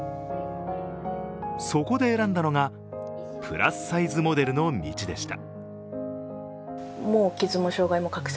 そこで選んだのが、プラスサイズモデルの道でした。